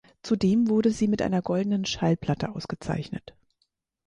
Zudem wurde sie mit einer goldenen Schallplatte ausgezeichnet.